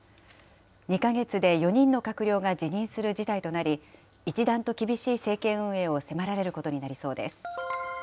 ２か月で４人の閣僚が辞任する事態となり、一段と厳しい政権運営を迫られることになりそうです。